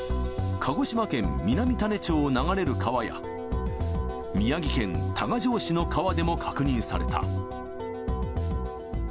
鹿児島県南種子町を流れる川や、宮城県多賀城市の川でも確認された。